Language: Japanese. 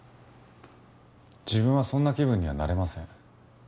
自分はそんな気分にはなれません。